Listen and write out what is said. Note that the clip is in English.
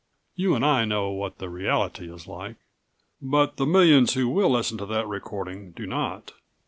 "You and I know what the reality is like. But the millions who will listen to that recording do not.